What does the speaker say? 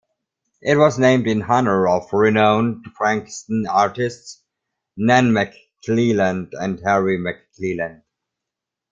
It was named in honour of renowned Frankston artists, Nan McClelland and Harry McClelland.